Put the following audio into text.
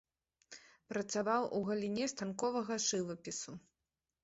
Працаваў у галіне станковага жывапісу.